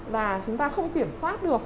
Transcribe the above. là chúng ta không kiểm soát được